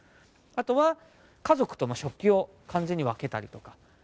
あとは家族とも食器を完全に分けたりとか。